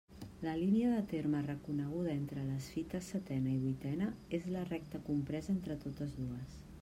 La línia de terme reconeguda entre les fites setena i vuitena és la recta compresa entre totes dues.